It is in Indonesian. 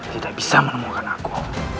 tidak bisa menemukan aku